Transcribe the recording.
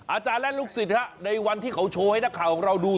อาจารย์และลูกศิษย์ในวันที่เขาโชว์ให้นักข่าวของเราดู